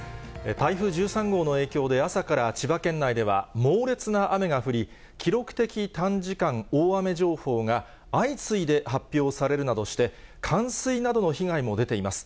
台風１３号の影響で、朝から千葉県内では猛烈な雨が降り、記録的短時間大雨情報が相次いで発表されるなどして、冠水などの被害も出ています。